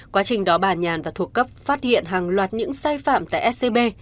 quá trình đó bà nhàn và thuộc cấp phát hiện hàng loạt những sai phạm tại scb